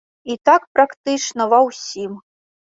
І так практычна ва ўсім.